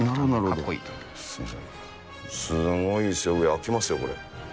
すごいですよ、上、開きますよ、これ。